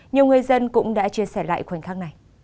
nhiều người dân cũng đã chia sẻ lại khoảnh khắc này